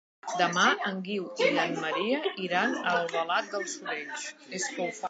Demà en Guiu i en Maria iran a Albalat dels Sorells.